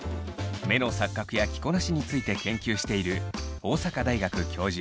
目の錯覚や着こなしについて研究している大阪大学教授